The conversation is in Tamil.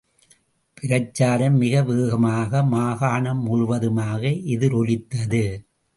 பிரச்சாரம் மிக வேகமாக மாகாணம் முழுவதுமாக எதிரொலித்தது.